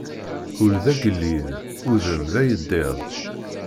Ul d agellid, udem d ayeddid.